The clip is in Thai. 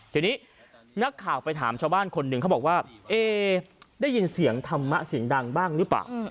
ทีนี้นักข่าวไปถามชาวบ้านคนหนึ่งเขาบอกว่าเอ๊ได้ยินเสียงธรรมะเสียงดังบ้างหรือเปล่า